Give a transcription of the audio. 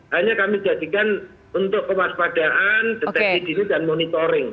hanya kami jadikan untuk kewaspadaan deteksi dini dan monitoring